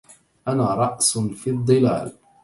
أنا رأس في الضلال